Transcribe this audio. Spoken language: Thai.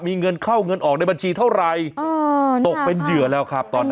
มีเงินเข้าเงินออกในบัญชีเท่าไรตกเป็นเหยื่อแล้วครับตอนนี้